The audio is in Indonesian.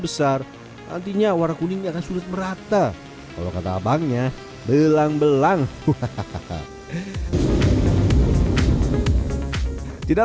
besar nantinya warna kuning ini akan sulit merata kalau kata abangnya belang belang hahaha tidak